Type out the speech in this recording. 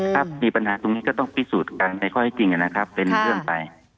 ถ้ามีปัญหาตรงนี้ก็ต้องพิสูจน์กันในข้อที่จริงนะครับเป็นเรื่องไป